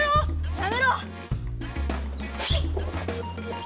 やめろ！